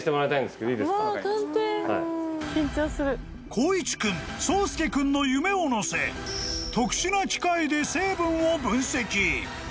［光一君颯介君の夢をのせ特殊な機械で成分を分析］